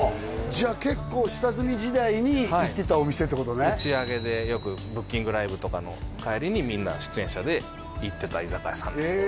じゃあ結構下積み時代に行ってたお店ってことね打ち上げでよくブッキングライブとかの帰りにみんな出演者で行ってた居酒屋さんです